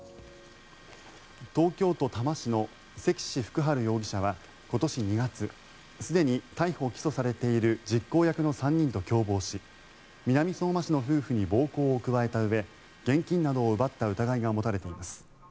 東京都多摩市の石志福治容疑者は今年２月すでに逮捕・起訴されている実行役の３人と共謀し南相馬市の夫婦に暴行を加えたうえ現金などを奪った疑いが持たれています。